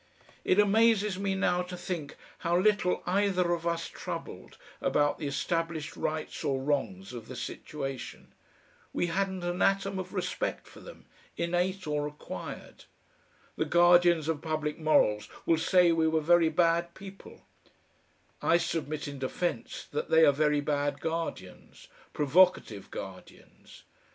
It amazes me now to think how little either of us troubled about the established rights or wrongs of the situation. We hadn't an atom of respect for them, innate or acquired. The guardians of public morals will say we were very bad people; I submit in defence that they are very bad guardians provocative guardians....